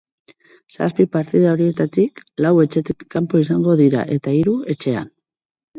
Zazpi partida horietatik, lau etxetik kanpo izango dira eta hiru, etxean.